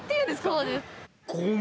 そうです。